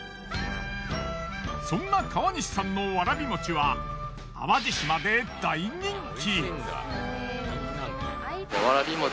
そんな川西さんのわらびもちは淡路島で大人気。